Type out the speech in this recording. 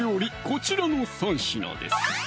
こちらの３品です